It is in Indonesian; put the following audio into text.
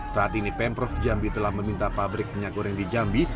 saat ini pemprov jambi telah meminta pabrik minyak goreng di jambi